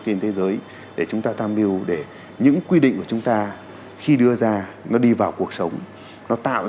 trên thế giới để chúng ta tham mưu để những quy định của chúng ta khi đưa ra nó đi vào cuộc sống nó tạo